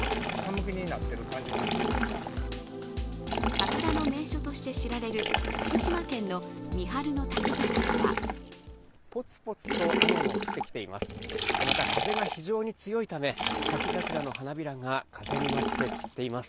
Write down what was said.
桜の名所として知られる福島県の三春町の滝桜はポツポツと雨も降ってきています。